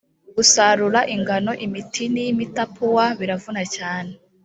gusarura ingano imitini y’imitapuwa biravuna cyane